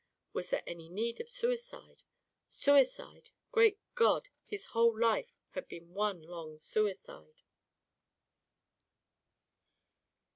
Was there any need of suicide? Suicide! Great God! his whole life had been one long suicide.